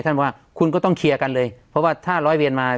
ว่าคุณก็ต้องเคลียร์กันเลยเพราะว่าถ้าร้อยเวียนมา